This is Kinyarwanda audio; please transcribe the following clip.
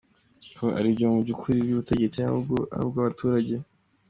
Ko ariko mu by’ukuri ubutegetsi ahubwo ari ubw’abaturage.